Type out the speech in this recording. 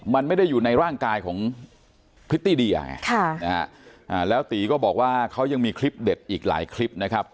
มันไม่ได้อยู่ในร่างกายของพริตตี้เดียแล้วตีก็บอกว่าเขายังมีคลิปเด็ดอีกหลายคลิปนะครับ